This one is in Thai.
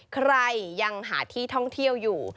ใครยังหาที่ท่องเที่ยวอยู่